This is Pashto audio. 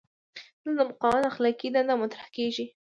دلته د مقاومت اخلاقي دنده مطرح کیږي.